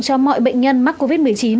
cho mọi bệnh nhân mắc covid một mươi chín